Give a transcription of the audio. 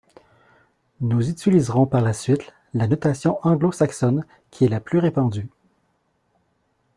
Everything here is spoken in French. Nous utiliserons pour la suite la notation anglo-saxonne, qui est la plus répandue.